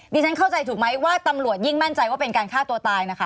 ฉันเข้าใจถูกไหมว่าตำรวจยิ่งมั่นใจว่าเป็นการฆ่าตัวตายนะคะ